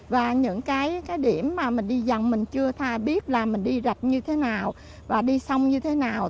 và những cái điểm mà mình đi dần mình chưa tha biết là mình đi rạch như thế nào và đi sông như thế nào